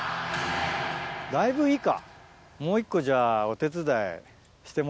だいぶいいか。